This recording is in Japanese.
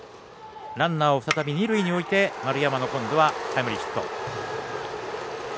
ランナーを再び二塁に置いて丸山のタイムリーヒット。